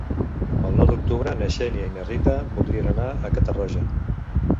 El nou d'octubre na Xènia i na Rita voldrien anar a Catarroja.